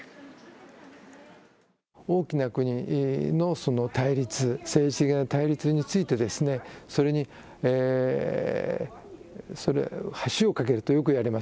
大きな国の対立、対立について、それに橋を架けるというのはよくいわれます。